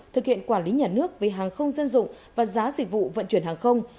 thực hiện quản lý nhà nước về hàng không dân dụng và giá dịch vụ vận chuyển hàng không